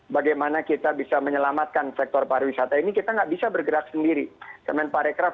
bagaimana kita bisa menyelamatkan sektor pariwisata ini kita nggak bisa bergerak sendiri kemenparekraf